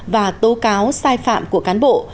và tố cáo sai phạm của cán bộ